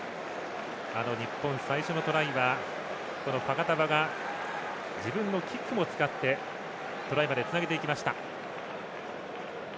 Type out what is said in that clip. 日本最初のトライはファカタヴァが自分のキックも使ってトライまでつなげていきました。